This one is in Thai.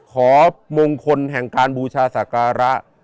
ขอมงคลแห่งการบูชาศักระ